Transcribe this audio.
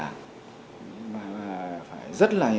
nhưng mà phải rất là